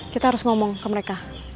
kita harus ngomong ke mereka